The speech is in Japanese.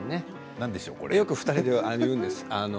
よく２人で言うんです。